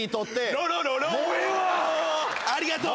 ありがとう。